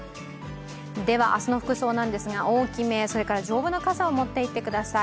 では明日の服装なんですが、大きめ丈夫な傘を持っていってください。